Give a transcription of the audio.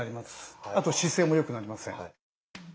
あと姿勢もよくなりません。